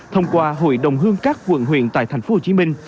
thông qua hội đồng hương các quận huyện tại thành phố hồ chí minh